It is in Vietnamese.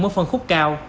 với phân khúc cao